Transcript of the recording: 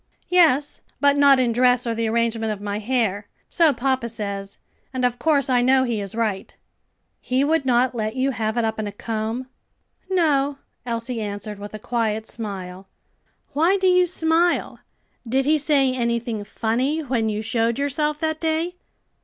"Yes, but not in dress or the arrangement of my hair. So papa says, and of course I know he is right." "He would not let you have it up in a comb?" "No," Elsie answered with a quiet smile. "Why do you smile? Did he say anything funny when you showed yourself that day?"